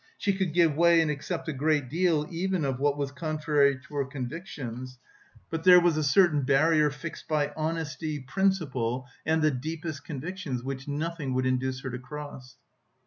She could give way and accept a great deal even of what was contrary to her convictions, but there was a certain barrier fixed by honesty, principle and the deepest convictions which nothing would induce her to cross.